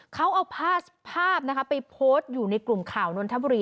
เขาเอาภาพนะคะไปโพสต์อยู่ในกลุ่มข่าวนนทบุรี